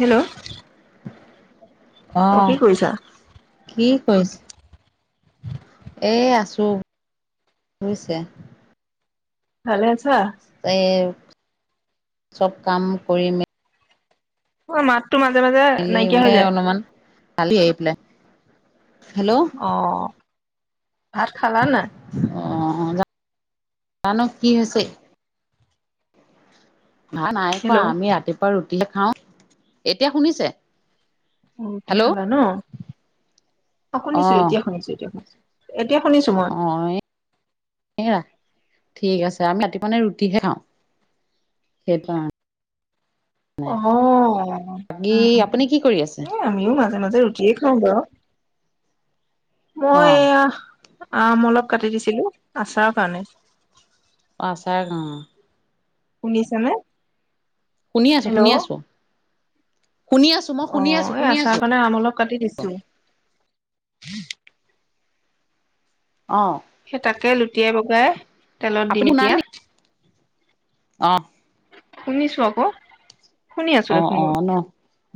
Hello! অ কি অঁহ কৰিছা কি কৰিছে? এ আছো। শুনিছে? ভালে আছা? এই চব কাম কৰি মেলি অ মাততো মাজে মাজে মেলি নাইকিয়া হৈ মানে যায়। অলপমান [unintelligible] হেল্ল'! অঁ, ভাত খালা নে নাই? অঁহ জানো কি হৈছে। ভাত নাই খোৱা হেল্ল' আমি ৰাতিপুৱা ৰুটিহে খাওঁ। এতিয়া শুনিছে? ৰুটি হেল্ল' খালা ন। অঁ শুনিছো এতিয়া শুনিছো এতিয়া শুনিছো এতিয়া শুনিছো। মই অঁ এ ঠিক আছে, আমি ৰাতিপুৱা মানে ৰুটিহে খাওঁ। সেইকাৰণে অ বাকী উম উম আপুনি কি কৰি আছে? এ আমিও মাজে মাজে ৰুটিয়ে খাওঁ বাৰু। মই অ', এয়া আম অলপ কাটি দিছিলো আচাৰৰ কাৰণে অঁ আচাৰ অহ। শুনিছা নে? শুনি আছোঁ শুনি আছোঁ শুনি আছোঁ। মই অ শুনি আছোঁ, এই শুনি আছোঁ আচাৰ কাৰণে আম অলপ কাটি দিছো। অঁ। সেই তাকে লুটিয়াই বগৰাই তেলত দিম এতিয়া। অঁ। শুনিছো আক'। অঁ অঁ ন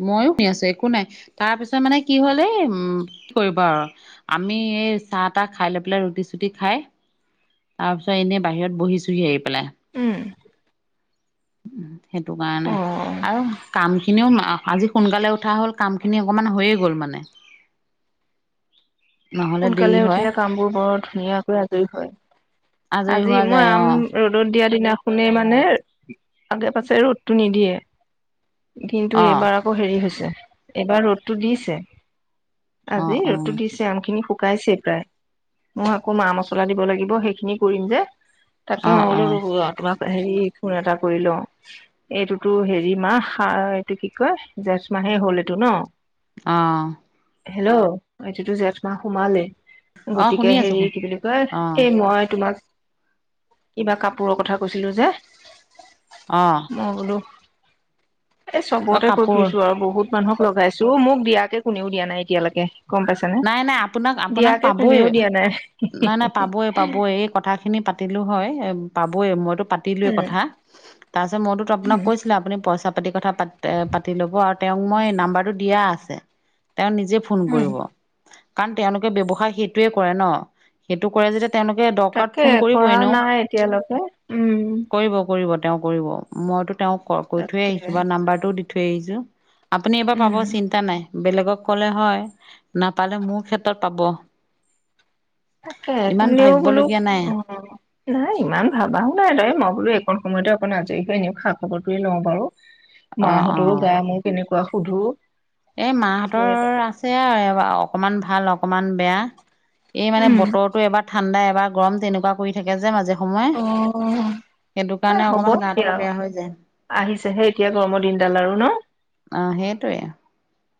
মইয়ো শুনি আছো একো নাই তাৰ পিছত মানে কি হল এ উম কি কৰিব আৰু আমি এই চাহ তাহ খাই লৈ পেলাই ৰুটি চুটি খাই তাৰ পিছত এনেই বাহিৰত বহিছোহি আহি পেলাই। উম। সেইটো কাৰণে অ আৰু কাম খিনিও আজি সোনকালে উঠা হ'ল কামখিনি অকণমান হৈয়ে গ'ল মানে নহলে সোনকালে দেৰি হয় উঠিলে কাম বোৰ বৰ ধুনীয়াকৈ আজৰি হয়। আজৰি আজি হোৱা মই যায় অ আম ৰ'দত দিয়া দিনাখনেই মানে আগে পাছে ৰ'দটো নিদিয়ে কিন্তু অ এইবাৰ আকৌ হেৰি হৈছে এইবাৰ ৰ'দটো দিছে। অ আজি অ ৰ'দতো দিছে আম খিনি শুকাইছে প্ৰায় মই আকৌ মা মছলা দিব লাগিব সেইখিনি কৰিম যে অ তাকে মই অ বোলো ৰো তোমাক হেৰি ফোন এটা কৰি লওঁ এইটোতো হেৰি মাহ এইটো কি কয় জেঠ মাহে হ'ল এইটো ন? অঁ। হেল্ল' এইটোতো জেঠ মাহ সোমালে। অ গতিকে শুনি আছো হেৰি কি বুলি কয় অ এই মই তোমাক কিবা কাপোৰৰ কথা কৈছিলো যে [inaudible] অ। মই বোলো এই অ চবতে কৈ কাপোৰ ফুৰিছো আৰু বহুত মানুহক লগাইছো মোক দিয়াকে কোনেও দিয়া নাই এতিয়ালেকে, গম পাইছা। নাই নাই আপোনাক আপোনাক পাবই, নাই নাই নাই পাবই পাবই এই কথাখিনি পাত পাতিলো হয় পাবই মইতো পাত পাতিলো উম কথা, তাৰপাছত মইতোতো আপোনাক উম কৈছিলোৱে আপুনি পইচা পাতি কথা পা পাতি ল'ব আৰু তেওঁক মই নাম্বাৰটো দিয়া আছে, তেওঁ নিজে ফোন উম কৰিব। কাৰণ তেওঁলোকে ব্যৱসায় সেইটোৱে কৰে ন, সেইটো কৰে যেতিয়া তেওঁলোকে দৰকাৰত তাকে ফোন কৰিব কৰা এনেও, নাই এতিয়ালৈকে উম কৰিব কৰিব তেওঁ কৰিব। মইতো তেওঁক কৈ থৈ তাকে আহিছো বা নাম্বাৰটোও দি থৈ আহিছো, আপুনি এইবাৰ উম পাব চিন্তা নাই। বেলেগক ক'লে হয়। নাপালে মোৰ ক্ষেত্ৰত পাব। তাকে ইমান কোনেও বোলো ভাবিবলগীয়া নাই অ। নাই ইমান ভাবাও নাই এনে মই বোলো এইকণ সময়তে অকণ আজৰি হৈ এনেও খা খবৰটোৱে লওঁ বাৰু। [inaudible] অ মাহঁতৰো গা মোৰ কেনেকুৱা সুধো। এ সেই এটা মাহঁতৰ কথা আছে আৰু অকমান ভাল অকমান বেয়া। এই মানে উম বতৰতো এবাৰ ঠাণ্ডা এবাৰ গৰম তেনেকুৱা কৰি থাকে যে মাজে সময়ে। অ অ অ। সেইটো কাৰণে হ'ব অকমান গাটো এতিয়া বেয়া হৈ যায়। আহিছেহে এতিয়া গৰমৰ দিনডাল আৰু ন? অ সেইটোৱে।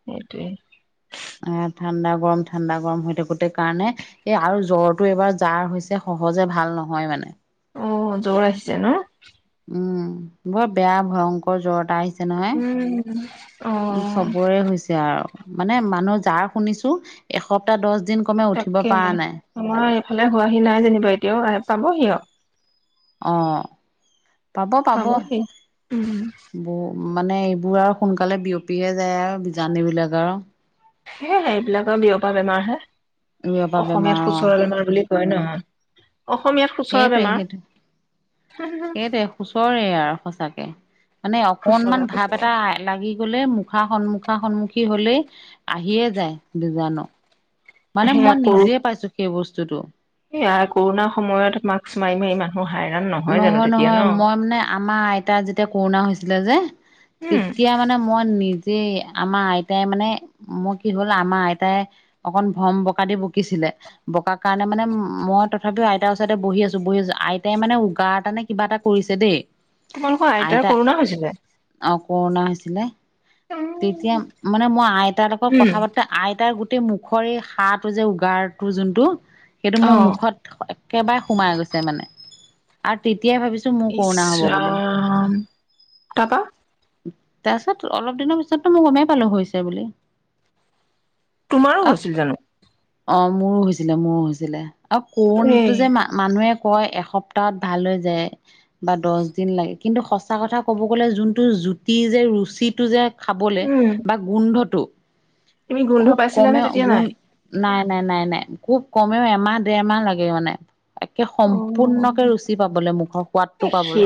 সেইটোৱেই। এ ঠাণ্ডা গৰম ঠাণ্ডা গৰম হৈ থাকোতে কাৰণে এ আৰু জ্বৰটো এবাৰ যাৰ হৈছে সহজে ভাল নহয় মানে। অ জ্বৰ আহিছে ন? উম বৰ বেয়া ভয়ংকৰ জ্বৰ এটা আহিছে। নহয় অ চবৰে হৈছে আৰু। মানে মানুহ যাৰ শুনিছো এসপ্তাহ দছ দিন কমে উঠিব পৰা তাকেহে নাই। আমাৰ এইফালে হোৱাহি নাই যেনিবা এতিয়াও, আহি পাবহি আও। অ পাব পাব। পাবহি উম [inaudible] মানে এইবোৰ আৰু সোনকালে বিয়পিহে যায় আৰু বিজাণু বিলাক আৰু। সেয়েহে এইবিলাকৰ বিয়পা বেমাৰ হে, এইবোৰৰ পৰা বেমাৰ অসমীয়াত অ সুচৰা বেমাৰ বুলি [unintelligible] অসমীয়াত সুচৰা সেইটোৱে সেইটো বেমাৰ। সেইটোৱে সুচৰে আৰু সঁচাকে মানে অকনমান খুচৰা ভাৱ খুচৰা এটা লাগি গলে মুখা সন্মুখা সন্মুখী হলেই আহিয়ে যায় বিজানো, মানে মই নিজে পাইছো সেই বস্তুটো। এয়া কৰোণাৰ সময়ত মাস্ক মাৰি মাৰি মানুহ হাইৰাণ নহয় জানো তেতিয়া নহয় ন? মই মানে আমাৰ আইতা যেতিয়া কৰোণা হৈছিলে যে, উম তেতিয়া মানে মই নিজ যে আমাৰ আইতাই মানে মোৰ কি হ'ল আমাৰ আইতাই অকণ ভ্ৰম বকা দি বকিছিলে। বকাৰ কাৰণে মানে মই তথাপিও আইতাৰ ওচৰতে বহি আছো বহি আছো আইতাই মানে কাৰাতানে কিবা এটা কৰিছে দেই। তোমালোকৰ আইতাৰ কৰোণা হৈছিলে? অঁ কৰোণা হৈছিলে, তেতিয়া মানে মই আইত লগ লগত উম কথা পাত এ আইতাৰ গোটেই মুখৰ এই সাঁৰটো যে উগাৰটো যোনটো সেইটো মোৰ অ মুখত একেবাৰে সোমাই গৈছে মানে, আৰু তেতিয়াই ভাবিছ ইচৰাম, তাৰপৰা তাৰ পিছত, অলপ দিনৰ পিছতো মই গমেই পালো হৈছে বুলি। তোমাৰো হৈছিল জানো? অ মোৰো হৈছিলে মোৰো হৈছিলে আৰু এই কৰুণটো যে মা মানুহে কয় এসপ্তাহত ভাল হৈ যায়। বা দছ দিন লাগে কিন্তু সঁচা কথা ক'ব গ'লে যোন টো জুতি যে ৰুচিটো যে খাবলে উম বা গোন্ধটো তুমি গোন্ধ খুব পাইছিলানে কমেয় তেতিয়া গুণ নাই নাই নাই নাই নাই, খুব কমেও এমাহ দেৰমাহ লাগে মানে। একে অ সম্পূৰ্ণকে ৰুচি পাবলে মুখৰ সোৱাদটো পাবলে।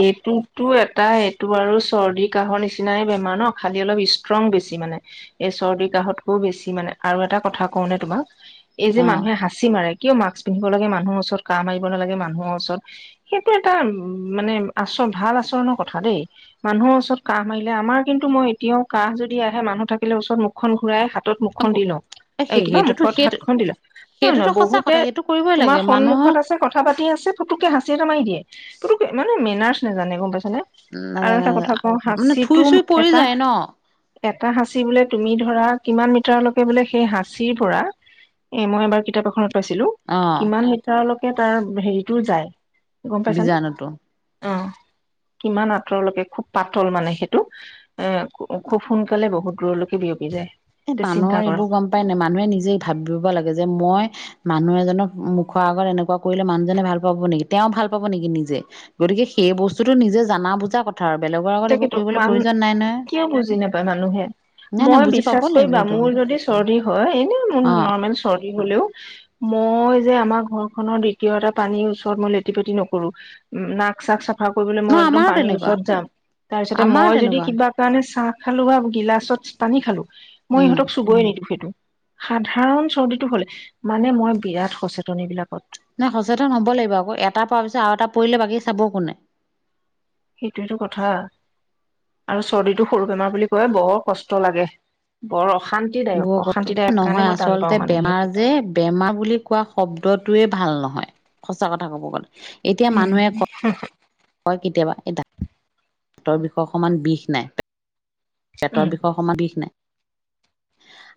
এইটো এটাই এইটো আৰু চৰ্দি কাহৰ নিচিনাই বেমাৰ ন খালি অলপ ষ্ট্ৰং বেছি মানে। এই চৰ্দি কাহঁতকৈ বেছি মানে, আৰু এটা কথা কওঁ নে তোমাক। এই যে অ মানুহে হাঁচি মাৰে কিয় মাক্স পিন্ধিব লাগে, মানুহ ওচৰত কাঁহ মাৰিব নালাগে মানুহৰ ওচৰত সেইটো এটা উম মানে আচৰণ ভাল আচৰণৰ কথা দেই। মানুহৰ ওচৰত কাঁহ মাৰিলে আমাৰ কিন্তু মই এতিয়াও কাঁহ যদি আহে মানুহ থাকিলে ওচৰত মুখখন ঘূৰাই হাত ত মুখখন দি লওঁ। এই সেই কিবা সেইটোতো মুখত সেইটো হাতখন দি লওঁ, নহ নহয় সেইটোতো সঁচা বহুতে কথা সেইটো কৰিবই তোমাৰ লাগে সন্মুখত মানুহক আছে কথা কথা পাতি আছে পুটুকে হাঁচি এটা মাৰি দিয়ে পুটুকে মানে মেনাৰ্চ নাজানে গম পাইছে নে। আৰু নাজানো এটা কথা কওঁ মানে থুই হাঁচিটো চুই পৰি এটা যায় ন এটা সাঁচি বোলে তুমি ধৰা কিমান মিটাৰলৈকে বোলে সেই সাঁচীৰ পৰা এই মই এবাৰ কিতাপ এখনত পাইছিলো। অ কিমান মিটাৰলৈকে তাৰ হেৰিটো যায় গম পাইছানে? অ [inaudible] কিমান আঁতৰলৈকে খুব পাতল মানে সেইটো। এ খুব সোনকালে বহুত দূৰলৈকে বিয়পি যায়। এ এতিয়া চিন্তা মানুহৰ এইবোৰ কৰক গম পাই নাই মানুহে নিজে ভাবিব লাগে যে, মই মানুহ এজনক মুখৰ আগত এনেকুৱা কৰিলে মানুহজনে ভাল পাব নেকি, তেওঁ ভাল পাব নেকি নিজে? গতিকে সেই বস্তুতটো নিজে জানা বুজা কথ তাকেতো মান কিয় বুজি নাপায় মানুহে, নাই নাই মই বেছি বুজি পাব বিশ্বাস লাগিব কৰিবা সেইটো মোৰ যদি চৰ্দি হয় এনেই মোৰ অ নৰ্মেল চৰ্দি হ'লেও মই যে আমাৰ ঘৰখনৰ দ্বিতীয় এটা পানীৰ ওচৰত মই লেটি পেটি নকৰো। নাক চাক চাফা কৰিবলে ন মই একদম আমাৰো পানীৰ তেনেকুৱা ওচৰত যাম। তাৰ পিছতে আমাৰো মই যদি তেনেকুৱা কিবা কাৰণে চাহ খালো আও গিলাচত পানী খালো। মই উম ইহঁতক চুবইে নিদিওঁ সেইটো। সাধাৰণ চৰ্দিটো হলে, মানে মই বিৰাট সচেতন বিলাকত। নাই সচেতন হ'ব লাগিব, আকৌ এটা পিছত আৰু এটা পৰিলে বাকী চাব কোনে। সেইটোয়েটো কথা। আৰু চৰ্দিটো সৰু বেমাৰ বুলি কয় বৰ কষ্ট লাগে, বৰ অশান্ত- বৰ কষ্ট', নহয় আচলতে বেমাৰ সেইটো যে বেমাৰ বুলি কোৱা শব্দটোয়ে ভাল নহয়, সচা কথা কব গ'লে। এতিয়া মানুহে কয় হয় কেতিয়াবা, এই ডাক্তৰৰ বিষয়ে অকণমান বিষ নাই। পেটৰ উম। বিষৰ সমান বিষ নাই।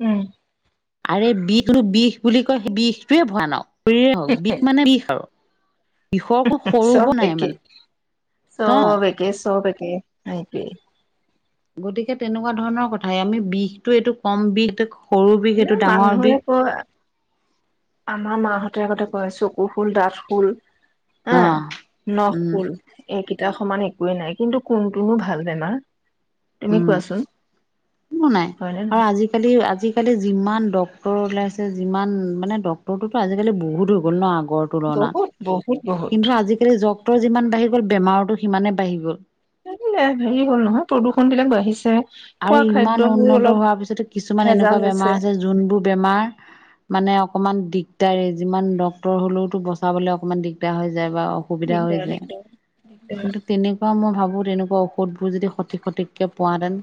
উম', আৰে বি তো বিষ বুলি কয়, বিষটোৱে ভয়ানক। শৰীৰে হওঁক বিষ মানে বিষ আৰু। বিষৰকো চব সৰুবৰ নাই মানে অ গেছো, তাকেই সেইটোৱেই। গতিকে তেনেকুৱা ধৰণৰ কথাই, আমি বিষটো এইটো কম বিষ, এইটো সৰু বিষ, এনে এইটো ডাঙৰ মানুহে বিষ কয় আমাৰ মাহঁতে আগতে কয়, চকু শুল, দাঠ শুল হা, অ নখ উম শুল। এইকেইটা সমান একোৱে নাই, কিন্তু কোনটোনো ভাল বেমা? উম', কোনো নাই হয় নে আৰু নহয়? আজি আজিকালি আজিকালি যিমান ডক্তৰ ওলাইছে যিমান মানে ডক্তৰটোতো আজিকালি বহুত হৈ গ'ল ন' আগত তুলনাত। বহুত বহুত বহুত কিন্তু আজিকালি ডক্তৰ যিমান বাঢ়ি গ'ল বেমাৰতো সিমানে বাঢ়ি গ'ল। তাকে হে হেৰি হ'ল নহয় প্ৰদূষণ বিলাক বাঢ়িছে। আৰু খোৱা ইমান খাদ্যবোৰ উন্নত অলপ হোৱাৰ পিছত কিছুমান ভেজাল এনেকুৱা হৈছে বেমাৰ আছে যোনবোৰ বেমাৰ মানে অকণমান দিগদাৰেই, যিমান ডক্তৰ হ'লেওতো বচাবলে অকণমান দিগদাৰ হৈ যায় বাও অসুবিধা হৈ দিগদাৰ যায় দিগদাৰ দিগদাৰ। কিন্তু তেনেক ত' মই ভাবোঁ তেনেকুৱা ঔষধবোৰ যদি সঠিক সঠিককৈ পোৱাতেন।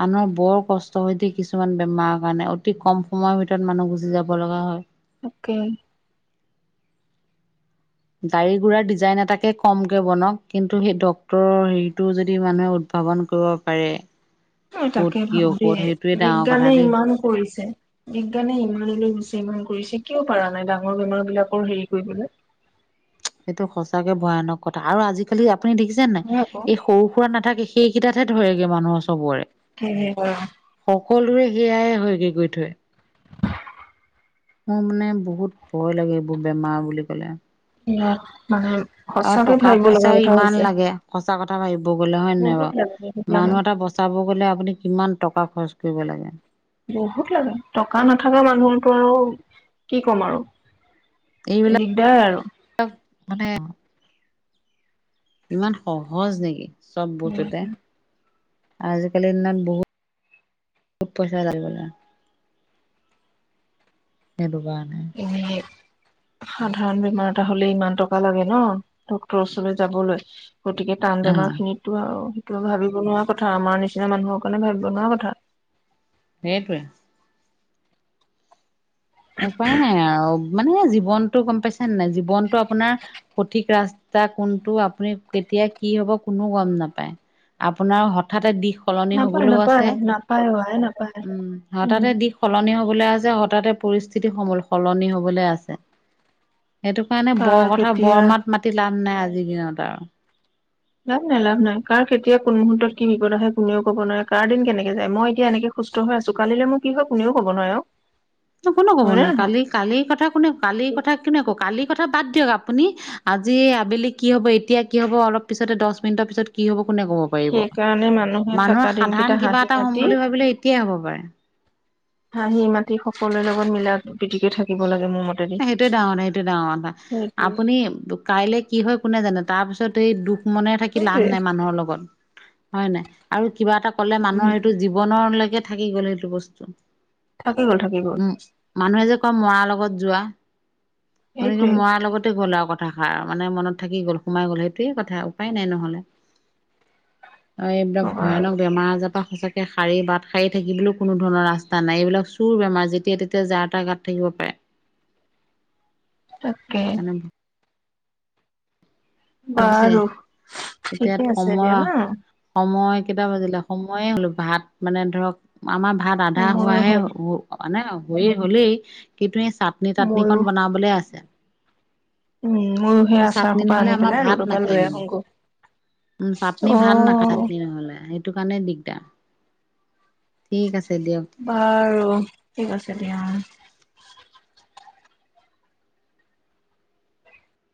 মানুহৰ বৰ কষ্ট হয় দেই কিছুমান বেমাৰৰ কাৰণে, অতি কম সময়ৰ ভিতৰত মানুহ গুচি যাব লগা হয়। তাকে গাড়ী ঘোৰাৰ ডিজাইন এটাকে কমকে বনাওক কিন্তু সেই ডক্তটৰৰ হেৰিতটো যদি মানুহে ভাৱন কৰিব পাৰে। হয় ক'ত তাকে কি ভাবো ঔষধ দেই, সেইটোৱে ডাঙৰ কথা বিজ্ঞানে দেই। ইমান কৰিছে। বিজ্ঞানে ইমানবোৰ দিছে, ইমান কৰিছে, কিয় পৰা নাই ডাঙৰ বেমাৰ বিলিলাকৰ হেৰি কৰিবলে। সেইটো সঁচাকে ভয়ানক কথা আৰু আজিকালি আপুনি দেখিছে নাই? হয় আকৌ এই সৰু সুৰা নাথাকে সেইকেইটাতহে ধৰেগে মানুহৰ চবৰে। কি হ [unintelligible] সকলোৰে সেয়াই হয়গে গৈ থৈ। মোৰ মানে বহুত ভয় লাগে এইবোৰ বেমাৰ বুলি ক'লে। ইয়াত মানুহে আৰু সঁচাকৈয় টকা ভাবিব লগা পইচাও কথা ইমান হৈছে। লাগে সঁচা কথা ভাবিব গ'লে হয় নে নাই বহুত বাৰু লাগে বহুত লাগে মানুহ এটা বচা চাব গ'লে আপুনি কিমান টকা খৰচ কৰিব লাগে? বহুত লাগে। টকা নাথকা মানুহৰতো আৰু কি ক'ম আৰু? দিগদাৰ আৰু। অ, মানে ইমান সহজ নিকি, চব বস্তুতে? আজিকালিৰ দিনত বহুত পইচা ঢালিব লাগে। - সেইটো কাৰণে। উম', সাধাৰণ বেমাৰ এটা হলে ইমান টকা লাগে নঃ ডক্তৰৰ ওচৰলৈ যাবলৈ, গতিকে টান অ বেমাৰ খিনিতটো আৰু সেইটো ভাবিব নোৱাৰা কথা আমাৰ নিচিনা মানুহৰ কাৰণে ভাবিব নোৱাৰা কথা। সেইটোৱে। উপায় নাই আৰু মানে জীৱনতটো গম পাইছে নে নাই? জীৱনতটো আপোনাৰ সঠিক ৰাচ তাৰ কোনটো আপুনি কেতিয়া কি হব কোনো গম নাপায়, আপোনাৰ হঠাতে দিশ সলনি নাপায় হবলৈও নাপায় আছে, নাপায় আই নাপায় উম উম হঠাতে দিশ সলনি হবলৈ আছে হঠাতে পৰিস্থিতি সমূল সলনি হবলৈ আছে। সেইটো কাৰণে বৰ কাৰ কথা কেতিয়া বৰ মাত মাতি লাভ নাই আজিৰ দিনত আৰু লাভ নাই লাভ নাই কাৰ কেতিয়া কোন মুহুৰৰ্তত কি বিপদ আহে কোনেও ক'ব নোৱাৰে কাৰ দিন কেনেকে যায় মই এতিয়া এনেকে, সুস্থ হৈ আছো কালিলে মোৰ কি হয় কোনেও ক'ব নোৱাৰে আৰু কোনো হয় কবৰ নে নোৱাৰে নহয় কালি, কালিৰ কথা কোনে কালিৰ কথা কোনে আকৌ কালিৰ কথা বাদ দিয়ক আপুনি, আজি আবেলি কি হব এতিয়া কি হ'ব অলপ পিছতে দহ মিনিটৰ পিছত কি হব কোনে ক'ব। সেইকাৰণে মানুহে থকা মানুহৰ দিনকেইটা সাধাৰণ কিবা হাঁহি এটা হম মাতি বুলি ভাবিলে এতিয়াই হ'ব পাৰে। হাঁহি মাতি সকলোৰে লগত মিলাত পতিকে থাকিব লাগে মোৰ মতে। সেইটোৱে ডাঙৰ কথা সেইটোৱে ডাঙৰ কথা আপুনি কাইলে কি হয় কোনে জানে তাৰ পিছত এই দুখ, মনে থাকি লাভ নাই সেইটোৱে মানুহৰ লগত হয় নাই আৰু কিবা এটা কলে মানুহৰ, বনলৈকে থাকি গ'ল সেইটো বস্তু, থাকি গ'ল থাকি গ'ল, মানুহে যে কয় মৰাৰ লগত যোৱা মানে কি সেইটোৱে মৰাৰ লগতে গ'ল আৰু কথা। কথাষাৰ মানে মনত থাকি গ'ল সোমাই গ'ল সেইটোৱে কথা উপায় নাই নহ'লে। এইবিলাক কবা আৰু ভয়ানক বেমাৰ আজাৰ। সঁাক সঁচাকে সাৰি বাট সাৰি থাকিবলৈও কোনো ধৰণৰ ৰাস্ত নাই এইবিলাক চুৰ বেমাৰ যেতিয়া তেতিয়া যাৰ এ তটা গাত থাকিব পাৰে। তাকে। সেইকাৰণে ভাবিছে বাৰু এতিয়া ঠিকে আছে দিয়া সময়ৰ, হা সময় কেইটা বাজিলে সময়ে হ'লো ভাত মানে ধৰক, আমাৰ ভাত আধা সময়ো হোৱাহে হ'ল মানে হৈয়ে হলেই কিন্তু, চাটনি ময়ো টানিকণ বনাবলৈ আছে। উম ময়ো সেই আচাৰ চাটনি হোপা নহ'লে আনি আমাৰ পেলাই। ভাত ৰ'দৰ পৰা নাখায় লৈ মানে আহোগৈ উ চাটনি অ ভাত নাখায় চাটনি নহ'লে সেইটো কাৰণে দি, ঠিক আছে দিয়ক। বাৰু ঠিক আছে দিয়া।